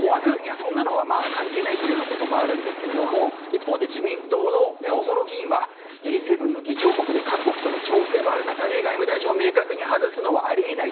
そんなのは関係ないということもあるんですが一方で自民党大物議員はＧ７の議長国で各国との調整もある中で外務大臣を明確に外すのはあり得ない。